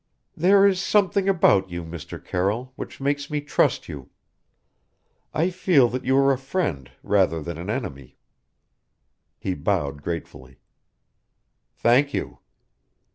"There is something about you, Mr. Carroll, which makes me trust you. I feel that you are a friend rather than an enemy." He bowed gratefully. "Thank you."